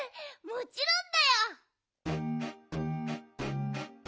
もちろんだよ！